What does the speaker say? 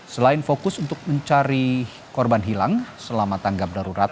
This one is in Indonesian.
selain fokus untuk mencari korban hilang selama tanggap darurat